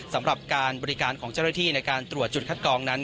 สำหรับการบริการของเจ้าหน้าที่ในการตรวจจุดคัดกองนั้น